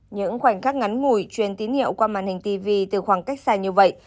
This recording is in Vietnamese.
những khoảnh khắc ngắn ngủi truyền tín hiệu qua màn hình tv từ khoảng cách xa như vậy